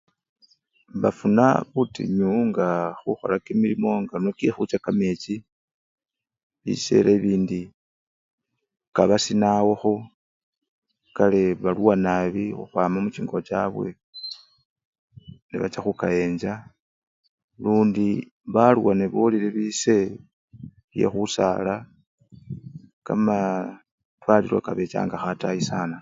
bafuna butinyu nga khukhola kimilimo nga nyo kye khucha kamechi, bisele ebindi kaba sinawoho kale baluwa nabi khuhwama mungo chabwe nebacha hukayenja lundi baluwa nebolele bisee bye husala kamaa twalilo kabechangaho atayi sanaa